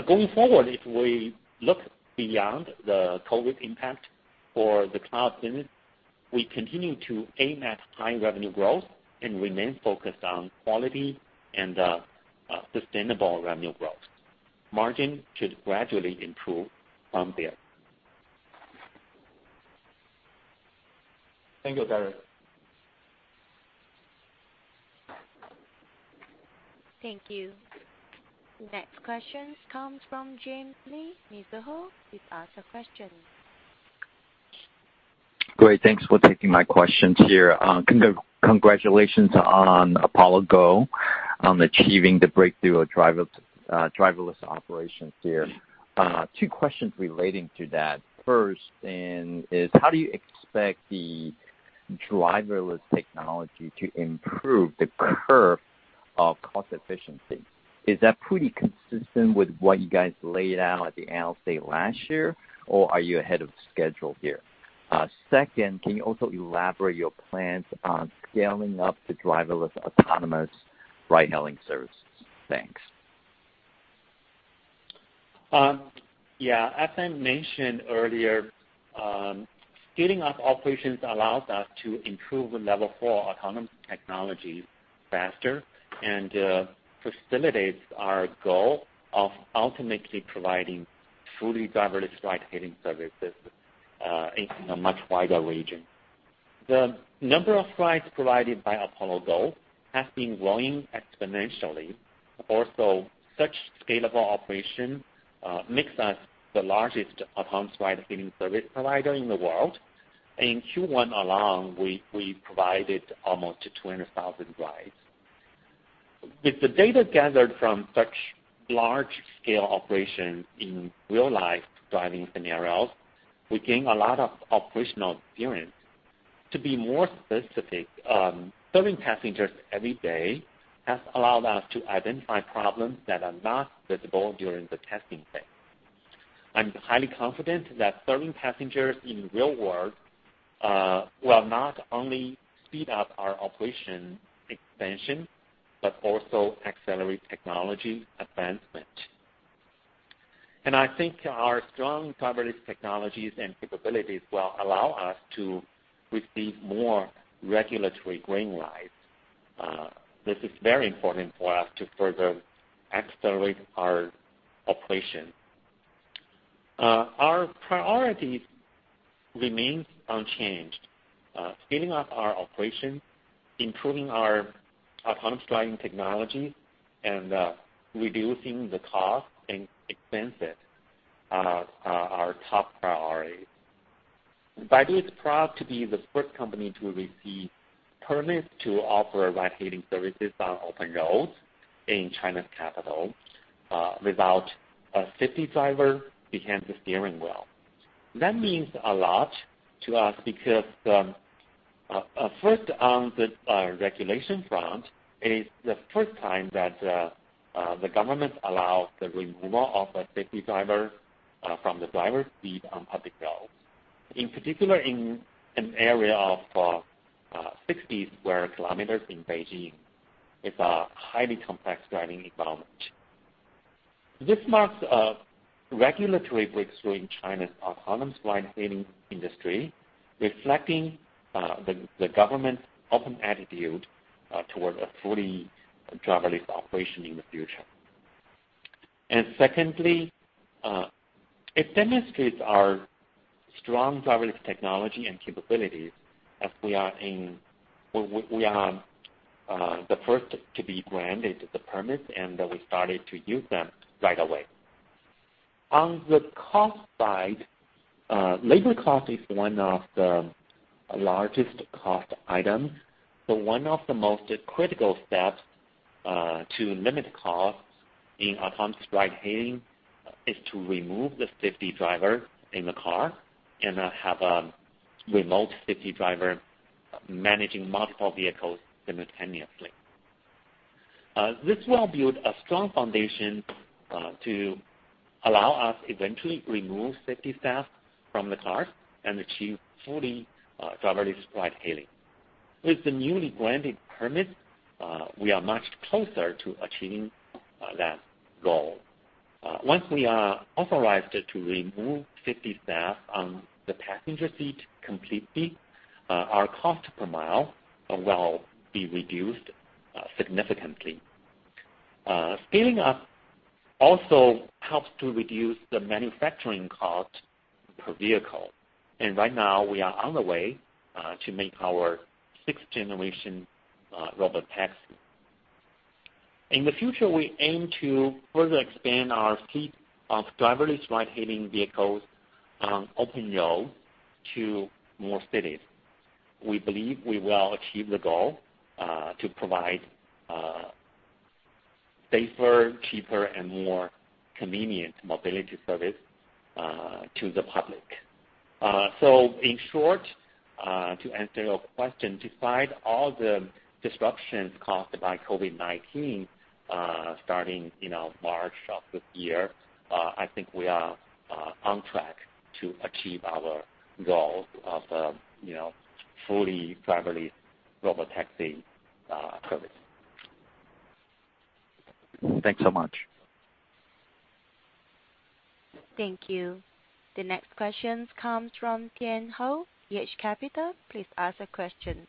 Going forward, if we look beyond the COVID-19 impact for the cloud business, we continue to aim at high revenue growth and remain focused on quality and sustainable revenue growth. Margin should gradually improve from there. Thank you, Robin. Thank you. Next question comes from James Lee. Mr. Lee, please ask your question. Great. Thanks for taking my questions here. Congratulations on Apollo Go on achieving the breakthrough of driverless operations there. Two questions relating to that. First, is how do you expect the driverless technology to improve the curve of cost efficiency? Is that pretty consistent with what you guys laid out at the analyst day last year, or are you ahead of schedule here? Second, can you also elaborate your plans on scaling up the driverless autonomous ride-hailing services? Thanks. As I mentioned earlier, scaling up operations allows us to improve the Level 4 autonomous technology faster and facilitates our goal of ultimately providing fully driverless ride-hailing services in a much wider region. The number of rides provided by Apollo Go has been growing exponentially. Also, such scalable operation makes us the largest autonomous ride-hailing service provider in the world. In Q1 alone, we provided almost 200,000 rides. With the data gathered from such large-scale operations in real-life driving scenarios, we gain a lot of operational experience. To be more specific, serving passengers every day has allowed us to identify problems that are not visible during the testing phase. I'm highly confident that serving passengers in real world will not only speed up our operation expansion, but also accelerate technology advancement. I think our strong driverless technologies and capabilities will allow us to receive more regulatory green light. This is very important for us to further accelerate our operation. Our priorities remain unchanged. Speeding up our operation, improving our autonomous driving technology, and reducing the cost and expenses are our top priorities. Baidu is proud to be the first company to receive permits to offer ride-hailing services on open roads in China's capital without a safety driver behind the steering wheel. That means a lot to us because first on the regulation front, it is the first time that the government allows the removal of a safety driver from the driver's seat on public roads. In particular, in an area of 60 sq km in Beijing is a highly complex driving environment. This marks a regulatory breakthrough in China's autonomous ride-hailing industry, reflecting the government's open attitude toward a fully driverless operation in the future. Secondly, it demonstrates our strong driverless technology and capabilities as we are the first to be granted the permit, and we started to use them right away. On the cost side, labor cost is one of the largest cost items. One of the most critical steps to limit costs in autonomous ride-hailing is to remove the safety driver in the car and have a remote safety driver managing multiple vehicles simultaneously. This will build a strong foundation to allow us eventually remove safety staff from the cars and achieve fully driverless ride-hailing. With the newly granted permit, we are much closer to achieving that goal. Once we are authorized to remove safety staff on the passenger seat completely, our cost per mile will be reduced significantly. Scaling up also helps to reduce the manufacturing cost per vehicle. Right now, we are on the way to make our sixth generation robotaxi. In the future, we aim to further expand our fleet of driverless ride-hailing vehicles on open road to more cities. We believe we will achieve the goal to provide safer, cheaper, and more convenient mobility service to the public. In short, to answer your question, despite all the disruptions caused by COVID-19, starting in our March of this year, I think we are on track to achieve our goal of, you know, fully driverless robotaxi service. Thanks so much. Thank you. The next question comes from Tian Hou, TH Capital, please ask a question.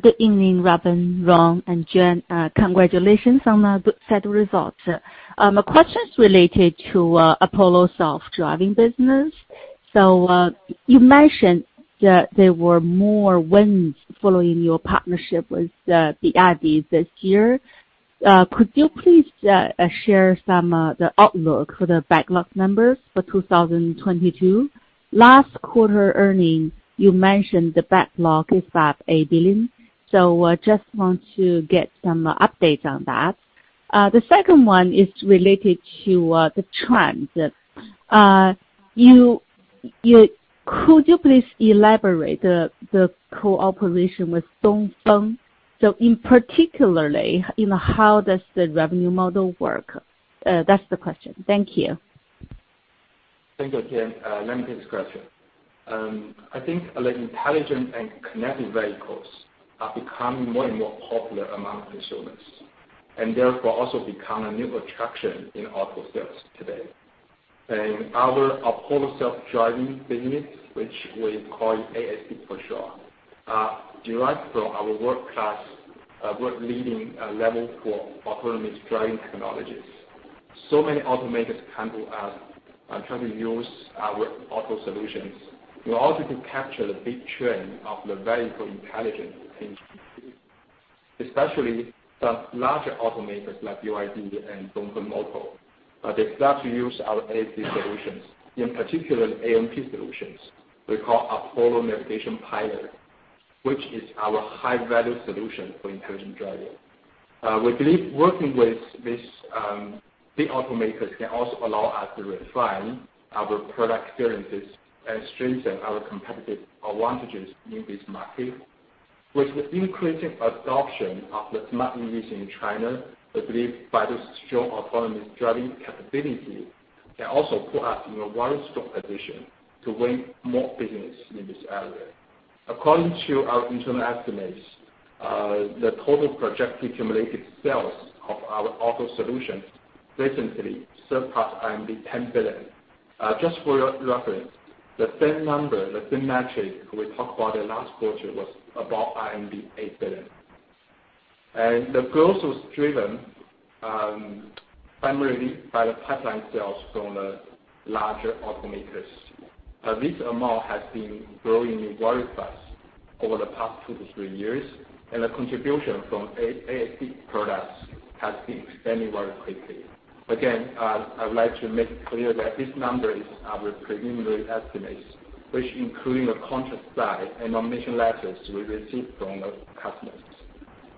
Good evening, Robin, Rong, and Juan. Congratulations on the good set of results. A question related to Apollo's self-driving business. You mentioned that there were more wins following your partnership with BYD this year. Could you please share some the outlook for the backlog numbers for 2022? Last quarter earnings, you mentioned the backlog is at 1 billion. I just want to get some updates on that. The second one is related to the trends. Could you please elaborate the cooperation with Dongfeng? In particular, you know, how does the revenue model work? That's the question. Thank you. Thank you, Tian. Let me take this question. I think the intelligent and connected vehicles are becoming more and more popular among consumers, and therefore, also become a new attraction in auto sales today. Our Apollo self-driving business, which we call ASD for short, derives from our world-class, world-leading, level four autonomous driving technologies. Many automakers come to us and try to use our auto solutions in order to capture the big trend of the vehicle intelligence in China. Especially the larger automakers like BYD and Dongfeng Motor. They start to use our ASD solutions, in particular, ANP solutions. We call Apollo Navigation Pilot, which is our high-value solution for intelligent driving. We believe working with these big automakers can also allow us to refine our product experiences and strengthen our competitive advantages in this market. With the increasing adoption of the smart units in China, we believe Baidu's strong autonomous driving capability can also put us in a very strong position to win more business in this area. According to our internal estimates, the total projected cumulative sales of our auto solutions recently surpassed 10 billion. Just for reference, the same number, the same metric we talked about in last quarter was above 8 billion. The growth was driven primarily by the pipeline sales from the larger automakers. Now this amount has been growing very fast over the past two to three years, and the contribution from ASD products has been expanding very quickly. Again, I would like to make clear that this number is our preliminary estimates, which including the contract size and commitment letters we received from the customers.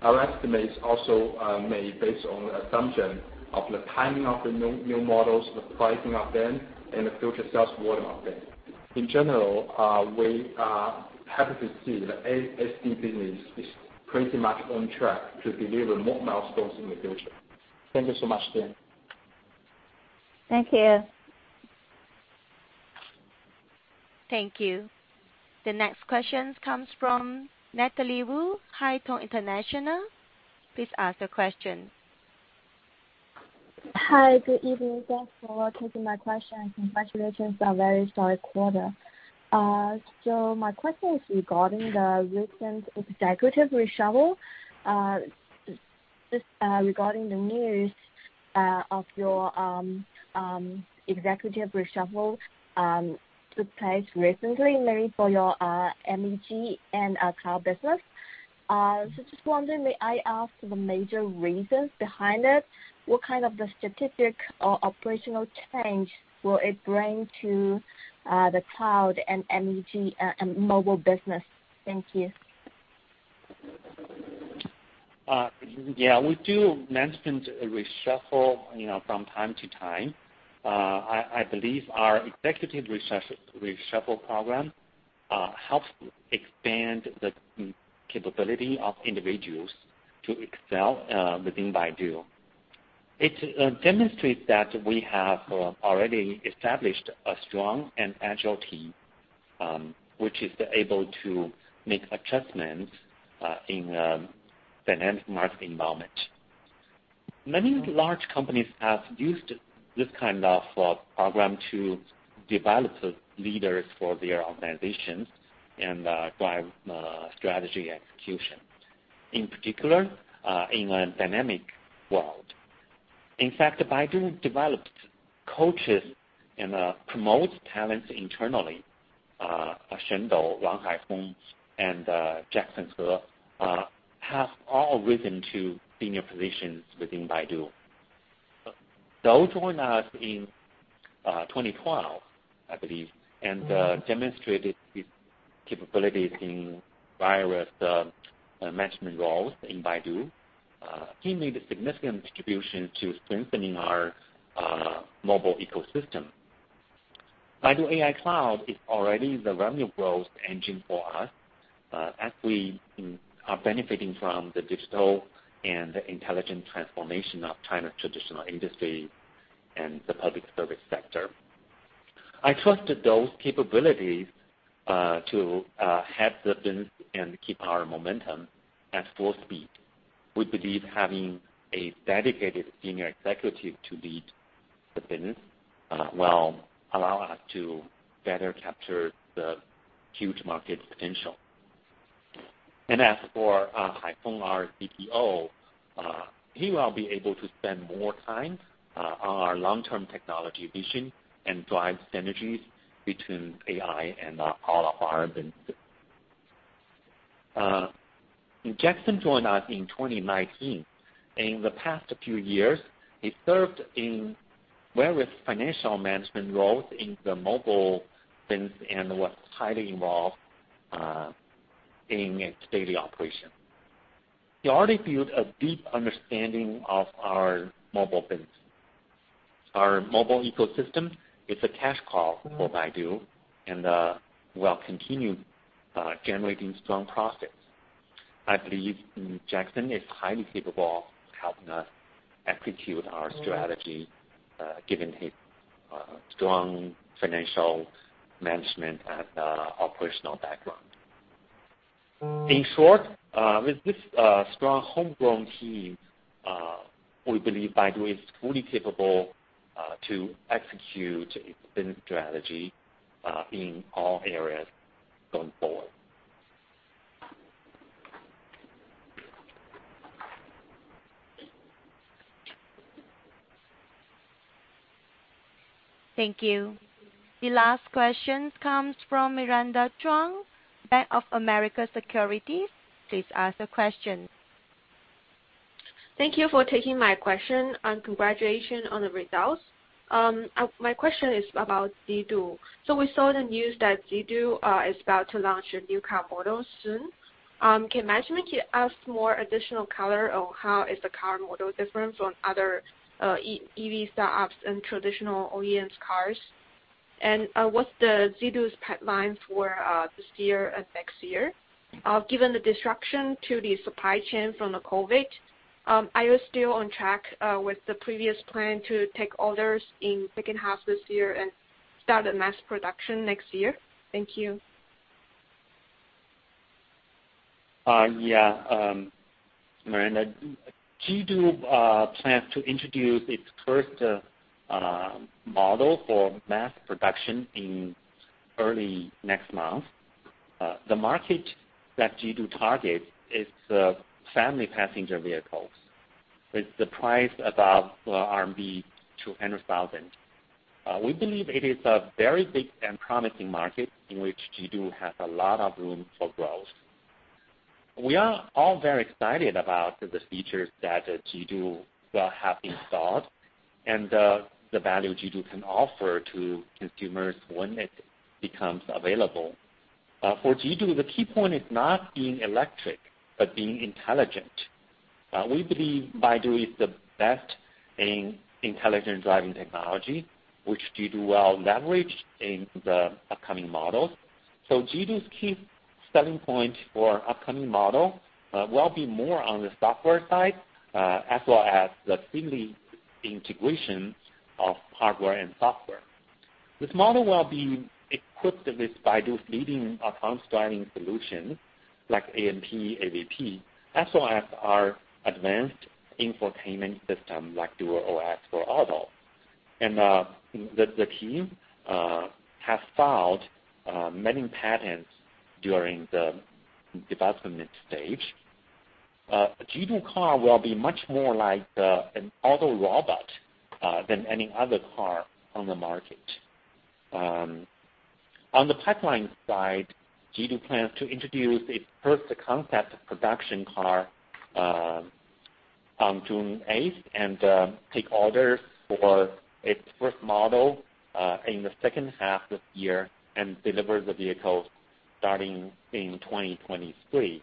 Our estimates also made based on the assumption of the timing of the new models, the pricing of them, and the future sales volume of them. In general, we are happy to see the ASD business is pretty much on track to deliver more milestones in the future. Thank you so much, Tian Hou. Thank you. Thank you. The next question comes from Natalie Wu, Haitong International. Please ask the question. Hi, good evening. Thanks for taking my question, and congratulations on a very solid quarter. My question is regarding the recent executive reshuffle. Just regarding the news of your executive reshuffle that took place recently, mainly for your MEG and cloud business. Just wondering, may I ask the major reasons behind it? What kind of the strategic or operational change will it bring to the cloud and MEG and mobile business? Thank you. Yeah, we do management reshuffle, you know, from time to time. I believe our executive reshuffle program helps expand the capability of individuals to excel within Baidu. It demonstrates that we have already established a strong and agile team, which is able to make adjustments in a dynamic market environment. Many large companies have used this kind of a program to develop leaders for their organizations and drive strategy execution, in particular, in a dynamic world. In fact, Baidu develops coaches and promotes talents internally. Dou Shen, Wang Haifeng, and Jackson He have all risen to senior positions within Baidu. Dou Shen joined us in 2012, I believe, and demonstrated his capabilities in various management roles in Baidu. He made a significant contribution to strengthening our mobile ecosystem. Baidu AI Cloud is already the revenue growth engine for us, as we are benefiting from the digital and intelligent transformation of China's traditional industry and the public service sector. I trusted those capabilities to help the business and keep our momentum at full speed. We believe having a dedicated senior executive to lead the business will allow us to better capture the huge market potential. As for Haifeng, our CTO, he will be able to spend more time on our long-term technology vision and drive synergies between AI and all of our business. Jackson joined us in 2019. In the past few years, he served in various financial management roles in the mobile business and was highly involved in its daily operation. He already built a deep understanding of our mobile business. Our mobile ecosystem is a cash cow for Baidu and will continue generating strong profits. I believe Jackson is highly capable of helping us execute our strategy, given his strong financial management and operational background. In short, with this strong homegrown team, we believe Baidu is fully capable to execute its business strategy in all areas going forward. Thank you. The last question comes from Miranda Zhuang, Bank of America Securities. Please ask the question. Thank you for taking my question, and congratulations on the results. My question is about Jidu. We saw the news that Jidu is about to launch a new car model soon. Can management give us more additional color on how is the car model different from other EV startups and traditional OEMs cars? What's Jidu's pipeline for this year and next year? Given the disruption to the supply chain from the COVID, are you still on track with the previous plan to take orders in second half this year and start the mass production next year? Thank you. Miranda, Jidu plans to introduce its first model for mass production in early next month. The market that Jidu targets is the family passenger vehicles with the price above RMB 200,000. We believe it is a very big and promising market in which Jidu has a lot of room for growth. We are all very excited about the features that Jidu will have installed, and the value Jidu can offer to consumers when it becomes available. For Jidu, the key point is not being electric but being intelligent. We believe Baidu is the best in intelligent driving technology, which Jidu will leverage in the upcoming models. Jidu's key selling point for upcoming model will be more on the software side, as well as the seamless integration of hardware and software. This model will be equipped with Baidu's leading autonomous driving solution like ANP, AVP, as well as our advanced infotainment system like DuerOS for Auto. The team has filed many patents during the development stage. Jidu car will be much more like an auto robot than any other car on the market. On the pipeline side, Jidu plans to introduce its first concept production car on June 8th, and take orders for its first model in the second half of this year, and deliver the vehicles starting in 2023.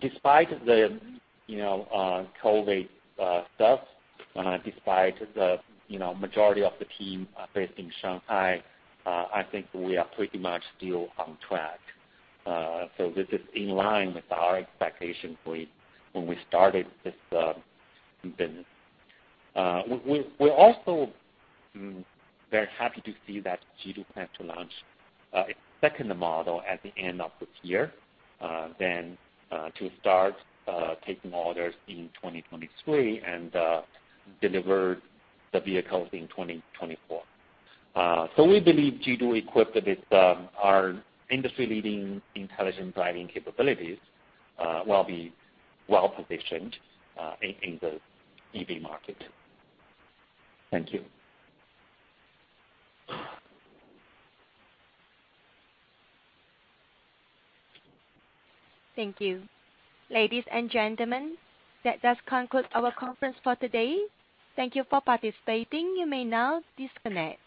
Despite the you know COVID stuff, and despite the you know majority of the team are based in Shanghai, I think we are pretty much still on track. This is in line with our expectation for it when we started this business. We're also very happy to see that Jidu plans to launch its second model at the end of this year, then to start taking orders in 2023, and deliver the vehicles in 2024. We believe Jidu equipped with our industry-leading intelligent driving capabilities will be well-positioned in the EV market. Thank you. Thank you. Ladies and gentlemen, that does conclude our conference for today. Thank you for participating. You may now disconnect.